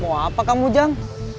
mau apa kamu jang